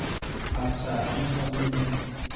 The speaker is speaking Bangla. আচ্ছা, আমি সামলে নেবো।